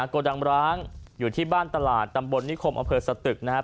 โกดังร้างอยู่ที่บ้านตลาดตำบลนิคมอำเภอสตึกนะครับ